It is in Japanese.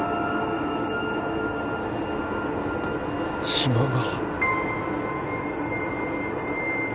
島が。